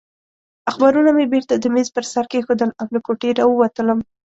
اخبارونه مې بېرته د مېز پر سر کېښودل او له کوټې راووتلم.